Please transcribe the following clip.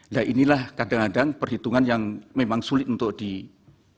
nah inilah kadang kadang perhitungan yang memang sulit untuk diberikan